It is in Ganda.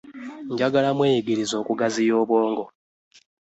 Njagala mweyigirize okugaziya obwongo.